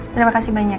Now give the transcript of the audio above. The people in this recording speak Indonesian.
terima kasih banyak ya